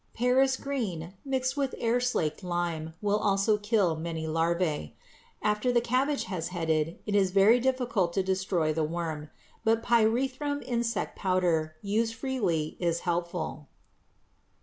Paris green mixed with air slaked lime will also kill many larvæ. After the cabbage has headed, it is very difficult to destroy the worm, but pyrethrum insect powder used freely is helpful.